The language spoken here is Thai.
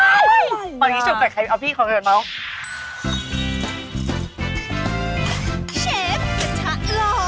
ใครเอาพี่ของเงินตอนนี้ชมแต่ใครเอ้าพี่ของเงินเหม้อย